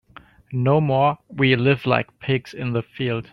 No more we live like pigs in the field.